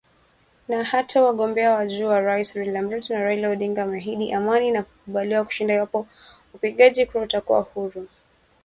Na hata wagombea wa juu wa urais William Ruto na Raila Odinga wameahidi amani na kukubali kushindwa iwapo upigaji kura utakuwa huru na wa haki